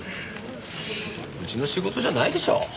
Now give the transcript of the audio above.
うちの仕事じゃないでしょう。